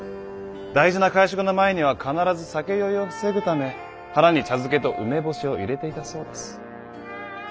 大事な会食の前には必ず酒酔いを防ぐため腹に茶漬けと梅干しを入れていたそうです。